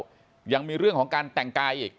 ยังมีเรื่องของการแต่งกายอีก